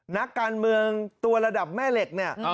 นักการเมืองตัวระดับแม่เหล็กเนี่ย